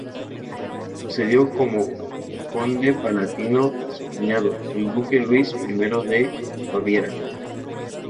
Le sucedió como conde palatino su cuñado, el duque Luis I de Baviera.